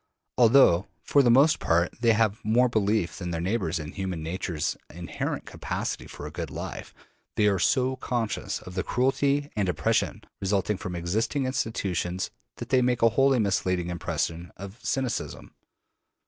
Although, for the most part, they have more belief than their neighbors in human nature's inherent capacity for a good life, they are so conscious of the cruelty and oppression resulting from existing institutions that they make a wholly misleading impression of cynicism.